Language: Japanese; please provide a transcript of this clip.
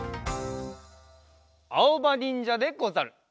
あおばにんじゃでござる！